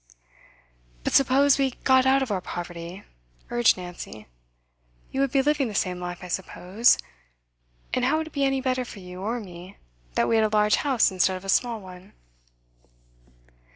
'But suppose we got out of our poverty,' urged Nancy, 'you would be living the same life, I suppose; and how would it be any better for you or me that we had a large house instead of a small one?